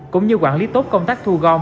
cũng như quản lý tốt công tác thu gom